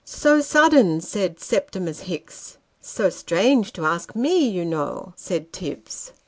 " So sudden," said Septimus Hicks. " So strange to ask me, you know," said Tibbs.